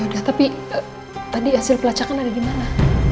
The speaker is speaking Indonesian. yaudah tapi tadi hasil pelacakan ada dimana